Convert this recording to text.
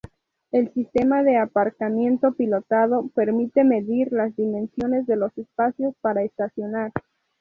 El sistema de aparcamiento pilotado permite medir las dimensiones de los espacios para estacionar.